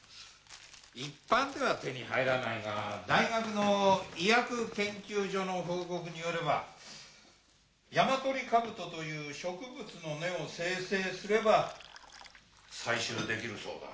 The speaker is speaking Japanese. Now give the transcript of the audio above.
一般では手に入らないが大学の医薬研究所の報告によればヤマトリカブトという植物の根を精製すれば採集できるそうだ。